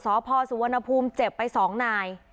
สพสุวรรณภูมิเจ็บไป๒นาย